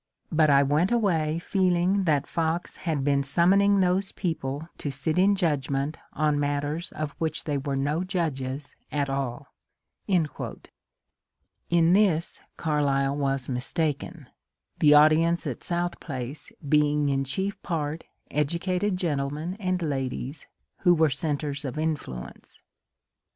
But I went away feeling that Fox had been summoning those people to sit in judgment on matters of which they were no judges at all." In this Carlyle was mistaken, the audience at South Place being in chief part educated gentlemen and ladies who were centres of influence.